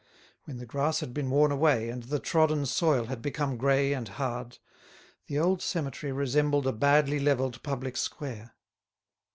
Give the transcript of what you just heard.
When the grass had been worn away and the trodden soil had become grey and hard, the old cemetery resembled a badly levelled public square.